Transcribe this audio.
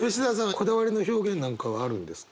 こだわりの表現なんかはあるんですか？